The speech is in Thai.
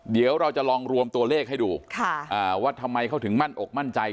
เดี๋ยวเราจะลองรวมตัวเลขให้ดูว่าทำไมเขาถึงมั่นอกมั่นใจ